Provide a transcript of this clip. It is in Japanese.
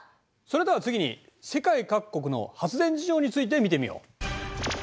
それでは次に世界各国の発電事情について見てみよう。